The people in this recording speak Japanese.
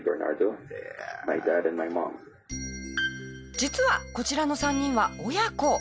実はこちらの３人は親子。